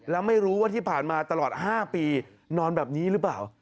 แล้วไม่รู้ว่าที่ผ่านมาตลอด๕ปีนอนแบบนี้หรือเปล่า